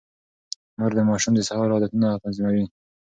مور د ماشوم د سهار عادتونه تنظيموي.